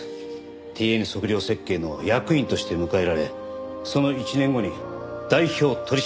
ＴＮ測量設計の役員として迎えられその１年後に代表取締役に就任しています。